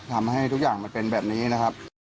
ทำให้ทุกอย่างมันเป็นแบบนี้นะครับ